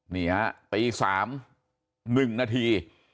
นี่ฮะตีสามหนึ่งนาที